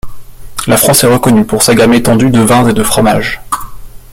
La France est reconnue pour sa gamme étendue de vins et de fromages.